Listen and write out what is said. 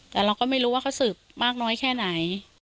แต่เราก็ไม่รู้ว่าเขาสืบมากน้อยแค่ไหน